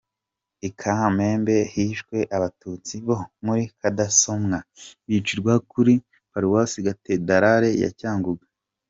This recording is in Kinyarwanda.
I Kamembe hishwe Abatutsi bo muri Kadasomwa bicirwa kuri Paruwasi Katedarali ya Cyangugu.